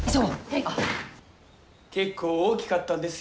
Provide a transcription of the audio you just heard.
結構大きかったんですよ。